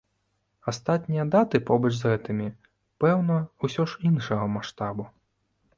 Астатнія даты побач з гэтымі, пэўна, усё ж іншага маштабу.